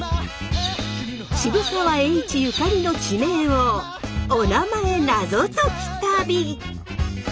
渋沢栄一ゆかりの地名をおなまえナゾ解き旅。